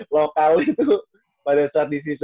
lokal itu pada saat